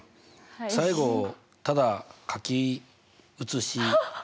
最後ただ書き写しミス。